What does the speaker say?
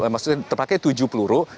maksudnya terpakai tujuh peluru